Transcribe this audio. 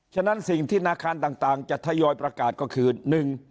ฉะนั้นสิ่งที่ธนาคารต่างจะทยอยประกาศก็คือ